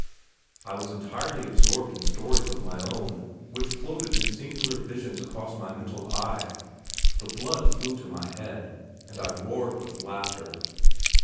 I was entirely absorbed in stories of my own which floated in singular visions across my mental eye. The blood flew to my head, and I roared with laughter.